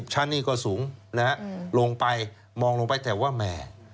๕๐ชั้นนี่ก็สูงลงไปมองลงไปแต่ว่าแหม่